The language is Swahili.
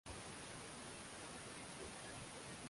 Mikoa ya Kagera na Mwanza upande wa Magharibi